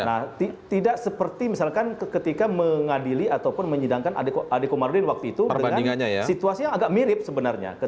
nah tidak seperti misalkan ketika mengadili ataupun menyidangkan adekomarudin waktu itu dengan situasi yang agak mirip sebenarnya